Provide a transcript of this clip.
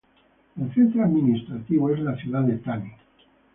El centro administrativo es la ciudad de Thane.